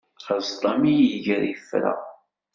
Aẓeṭṭa mi iger yefra.